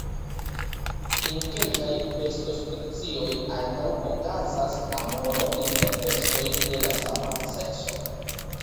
En kelkaj besto-specioj ankaŭ okazas amoro inter bestoj de la sama sekso.